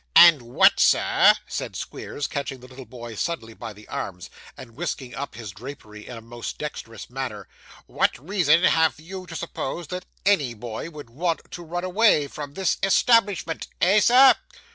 'And what, sir,' said Squeers, catching the little boy suddenly by the arms and whisking up his drapery in a most dexterous manner, 'what reason have you to suppose that any boy would want to run away from this establishment? Eh, sir?